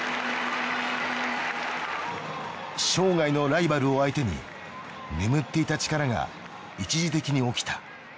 生涯のライバルを相手に眠っていた力が一時的に起きた。